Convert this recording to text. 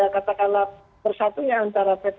katakanlah persatunya antara p tiga